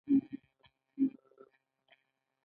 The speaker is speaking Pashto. د غزل دغه تکنيک او فني نزاکت له کومه راوړو-